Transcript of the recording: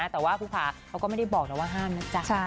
แต่ว่าภูผาเขาก็ไม่ได้บอกนะว่าห้ามนะจ๊ะ